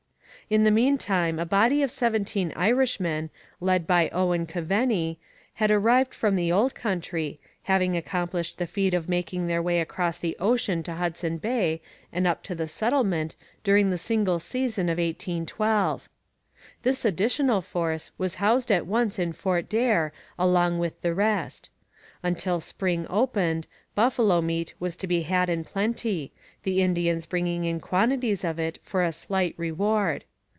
In the meantime a body of seventeen Irishmen, led by Owen Keveny, had arrived from the old country, having accomplished the feat of making their way across the ocean to Hudson Bay and up to the settlement during the single season of 1812. This additional force was housed at once in Fort Daer along with the rest. Until spring opened, buffalo meat was to be had in plenty, the Indians bringing in quantities of it for a slight reward.